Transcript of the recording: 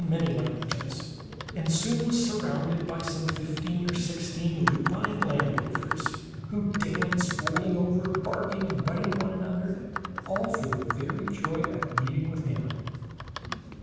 171 many languages, and soon was surrounded by some fifteen or sixteen lupine land loafers, who danced, roll ing over, barking and biting one another, all for very joy at meeting with him.